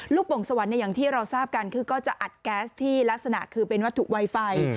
โป่งสวรรค์อย่างที่เราทราบกันคือก็จะอัดแก๊สที่ลักษณะคือเป็นวัตถุไวไฟ